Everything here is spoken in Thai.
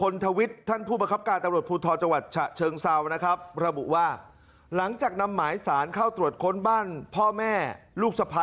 นิสัยใจเขาจากผมสัมผัส